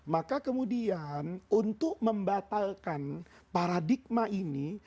maka kemudian untuk membatalkan paradigma ini